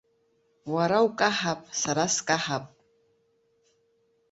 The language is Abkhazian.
Уара укаҳап, сара скаҳап.